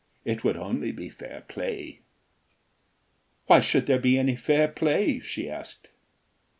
It would only be fair play." "Why should there be any fair play?" she asked.